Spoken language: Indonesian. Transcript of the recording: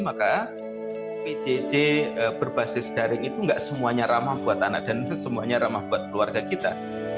maka pcj berbasis daring itu tidak semuanya ramah buat anak dan itu semuanya ramah buat keluarga kita